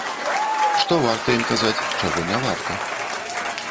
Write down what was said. Што варта ім казаць, чаго не варта?